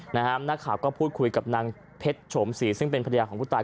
นักข่าวก็พูดคุยกับนางเพชรโฉมศรีซึ่งเป็นภรรยาของผู้ตาย